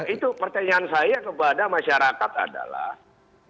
itu pertanyaan saya kepada masyarakat adalah